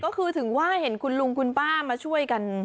ก็คือถึงว่าเห็นคุณลุงคุณป้ามาช่วยกัน